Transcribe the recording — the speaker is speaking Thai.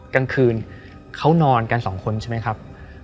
กลางคืนเขานอนกันสองคนใช่ไหมครับ